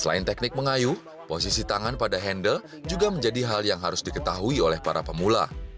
selain teknik mengayu posisi tangan pada handle juga menjadi hal yang harus diketahui oleh para pemula